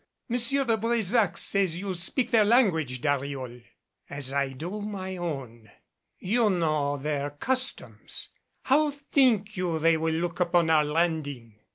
"M. de Brésac says you speak their language, Dariol." "As I do my own." "You know their customs. How think you they will look upon our landing?"